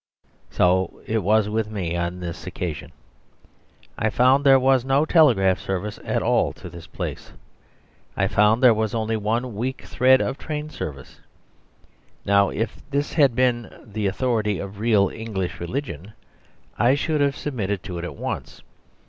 So it was with me on this occasion. I found there was no telegraph service at all to this place; I found there was only one weak thread of train service. Now if this had been the authority of real English religion, I should have submitted to it at once.